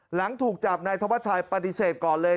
หลังถูกจับนายธวัชชัยปฏิเสธก่อนเลย